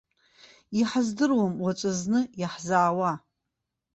Иҳаздыруам уаҵәызны иаҳзаауа.